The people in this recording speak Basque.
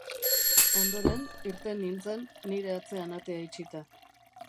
Ondoren, irten nintzen, nire atzean atea itxita.